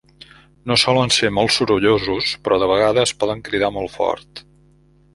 No solen ser molt sorollosos, però de vegades poden cridar molt fort.